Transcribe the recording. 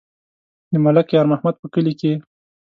د ملک یار محمد په کلي کې.